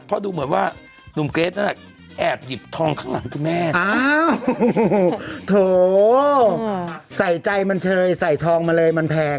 เพราะดูเหมือนว่านุ่มเกรทนั่นแอบหยิบทองข้างหลังกับแม่